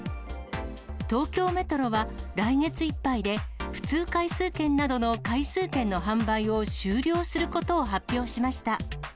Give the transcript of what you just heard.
東京メトロは来月いっぱいで、普通回数券などの回数券の販売を終了することを発表しました。